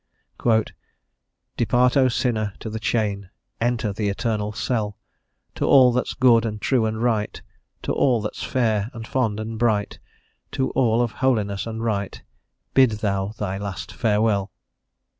"Depart, O sinner, to the chain! Enter the eternal cell; To all that's good and true and right, To all that's fair and fond and bright, To all of holiness and right, Bid thou thy last farewell."